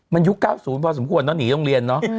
มันยุค๙๐พอสมควรเนอะหนีโรงเรียนเนอะ